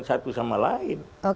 satu sama lain